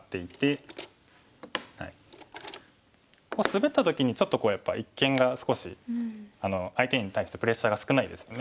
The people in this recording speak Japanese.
スベった時にちょっとやっぱ一間が少し相手に対してプレッシャーが少ないですよね。